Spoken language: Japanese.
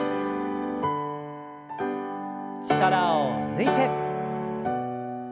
力を抜いて。